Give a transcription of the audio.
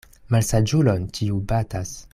Malsaĝulon ĉiu batas.